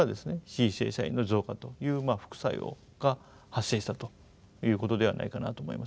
非正社員の増加という副作用が発生したということではないかなと思います。